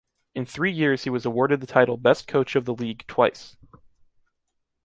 In three years he was awarded the title best coach of the league twice.